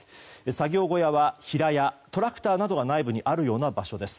作業小屋は平屋でトラクターなどが内部にある場所です。